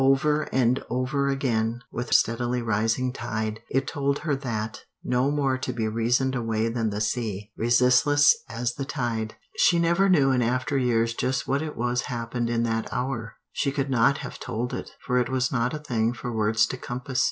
Over and over again, with steadily rising tide, it told her that, no more to be reasoned away than the sea, resistless as the tide. She never knew in after years just what it was happened in that hour. She could not have told it, for it was not a thing for words to compass.